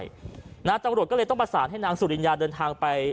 ตำรวจก็เลยต้องประสานให้นางสุริญญาเดินทางไป